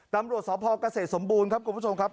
ตำรวจสพเกษตรสมบูรณ์ครับคุณผู้ชมครับ